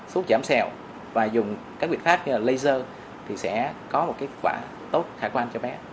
thuốc giảm sẹo và dùng các biện pháp như là laser thì sẽ có một kết quả tốt khả quan cho bé